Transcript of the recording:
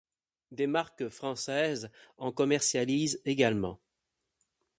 Des marques françaises en commercialisent également.